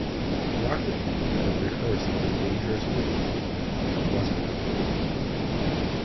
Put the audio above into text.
"Rock with You" was rehearsed for the Dangerous World Tour, but wasn't performed.